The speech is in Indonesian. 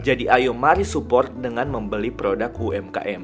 jadi ayo mari support dengan membeli produk umkm